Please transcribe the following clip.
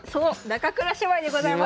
中倉姉妹でございます。